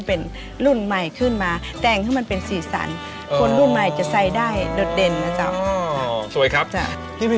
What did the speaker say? เห็นเลยนะครับว่ามันจะมาจากสไตล์